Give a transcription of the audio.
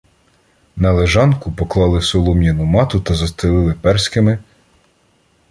На лежанку поклали солом'яну мату та застелили перськими